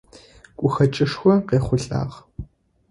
Гухэкӏышхо къехъулӏагъ.